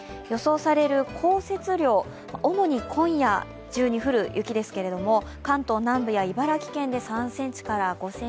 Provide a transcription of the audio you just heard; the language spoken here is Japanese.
予想される降雪量、主に今夜中に降る雪ですけれども、関東南部や茨城県で３５ｃｍです。